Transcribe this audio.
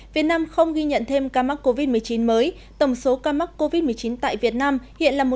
việt nam không ghi nhận thêm ca mắc covid một mươi chín mới tổng số ca mắc covid một mươi chín tại việt nam hiện là một ca